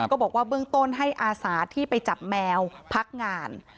ก็บอกว่าเบื้องต้นให้อาสาที่ไปจับแมวพักงาน